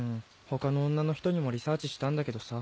他の女の人にもリサーチしたんだけどさ。